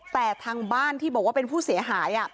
แต่ทางบ้านที่บอกว่าเป็นผู้เสียหาย